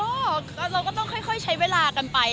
ก็เราก็ต้องค่อยใช้เวลากันไป